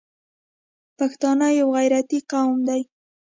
پښتانه یو غیرتي قوم دی.